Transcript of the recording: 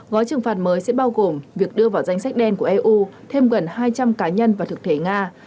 gói trừng phạt mới sẽ bao gồm việc đưa vào danh sách đen của eu thêm gần hai trăm linh cá nhân và thực thể nga